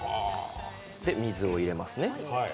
水を入れますね。